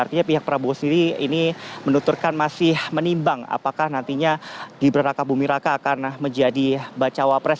artinya pihak prabowo sendiri ini menuturkan masih menimbang apakah nantinya gibran raka buming raka akan menjadi bacawa pres